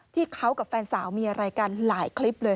ที่เขากับแฟนสาวมีอะไรกันหลายคลิปเลย